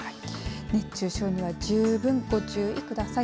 熱中症には十分ご注意ください。